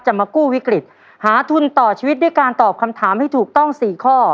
มากู้วิกฤตหาทุนต่อชีวิตด้วยการตอบคำถามให้ถูกต้อง๔ข้อ